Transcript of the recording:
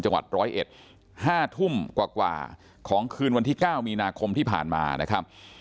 จังหวัด๑๐๑๕ทุ่มกว่าของคืนวันที่๙มีนาคมที่ผ่านมานะครับ